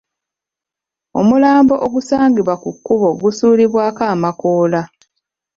Omulambo ogusangibwa ku kkubo gusuulibwako amakoola.